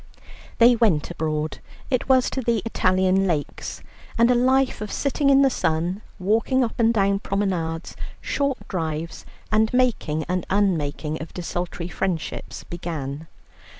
They went abroad it was to the Italian Lakes and a life of sitting in the sun, walking up and down promenades, short drives, and making and unmaking of desultory friendships began.